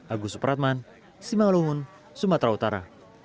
agus supratman simang luhun sumatera utara